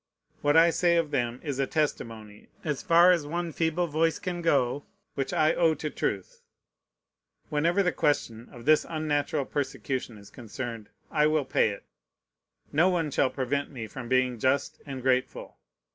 What I say of them is a testimony, as far as one feeble voice can go, which I owe to truth. Whenever the question of this unnatural persecution is concerned, I will pay it. No one shall prevent me from being just and grateful.